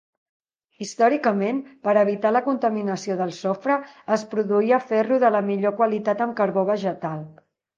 Històricament, per evitar la contaminació del sofre, es produïa ferro de la millor qualitat amb carbó vegetal.